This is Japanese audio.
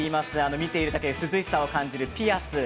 見ているだけで涼しさを感じるピアス。